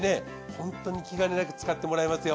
ホントに気兼ねなく使ってもらえますよ。